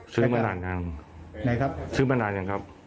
ซื้อมานานครับ